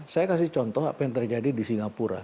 saya kasih contoh apa yang terjadi di singapura